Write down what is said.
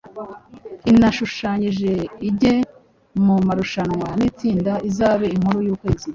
inashushanyije ijye mu marushanwa, nitsinda izabe inkuru y’ukwezi,